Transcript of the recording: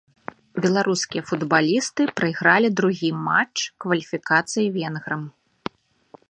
Беларускія футбалісты прайгралі другі матч кваліфікацыі венграм.